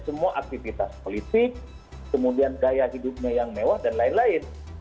semua aktivitas politik kemudian gaya hidupnya yang mewah dan lain lain